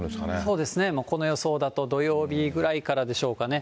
そうですね、この予想だと土曜日ぐらいからでしょうかね。